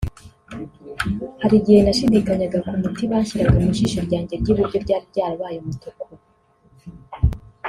Hari igihe nashidikanyaga ku muti banshyiraga mu jisho ryanjye ry’iburyo ryari ryarabaye umutuku